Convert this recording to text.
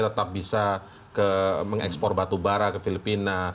tetap bisa mengekspor batu bara ke filipina